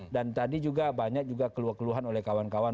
dan tadi juga banyak keluar keluhan oleh kawan kawan